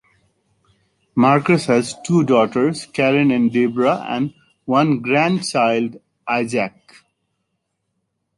Marcus has two daughters, Karen and Debra, and one grand child, Isaac.